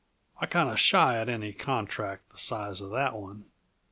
I kinda shy at any contract the size uh that one.